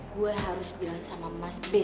gue harus bilang sama mas b